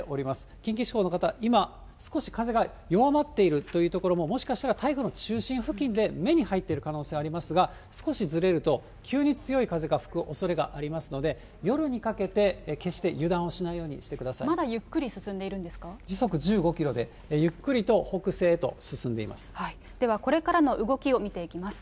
近畿地方の方、今、少し風が弱まっているという所ももしかしたら台風の中心付近で目に入ってる可能性ありますが、少しずれると急に強い風が吹くおそれがありますので、夜にかけて決して油断をしないようにしてくだまだゆっくり進んでいるんで時速１５キロでゆっくりと北では、これからの動きを見ていきます。